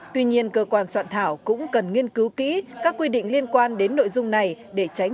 tuy nhiên cơ quan soạn thảo cũng cần nghiên cứu kỹ các quy định liên quan đến nội dung này để tránh